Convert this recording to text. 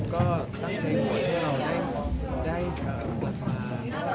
ขันเตียงความทิวเซฟเซอร์หลักมา